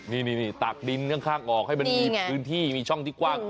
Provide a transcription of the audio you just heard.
นี่ตักดินข้างออกให้มันมีพื้นที่มีช่องที่กว้าง